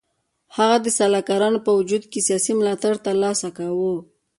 هغه د سلاکارانو په وجود کې سیاسي ملاتړ تر لاسه کاوه.